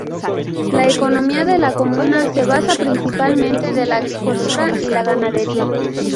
La economía de la comuna se basa principalmente de la agricultura y la ganadería.